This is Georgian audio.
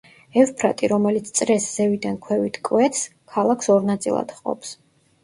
ევფრატი, რომელიც წრეს ზევიდან ქვევით კვეთს, ქალაქს ორ ნაწილად ჰყოფს.